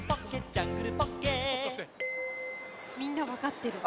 みんなわかってる。